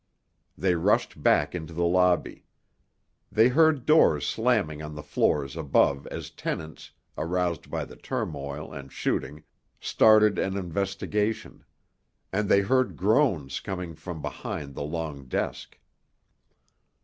They rushed back into the lobby. They heard doors slamming on the floors above as tenants, aroused by the turmoil and shooting, started an investigation. And they heard groans coming from behind the long desk.